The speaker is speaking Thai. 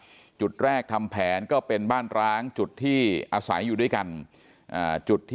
อีกจุดหนึ่งก็เป็นจุดที่ช่วยกันห่อศพ